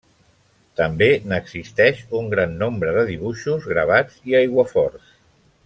També n'existeix un gran nombre de dibuixos, gravats i aiguaforts.